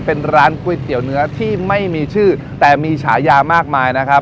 เป็นร้านก๋วยเตี๋ยวเนื้อที่ไม่มีชื่อแต่มีฉายามากมายนะครับ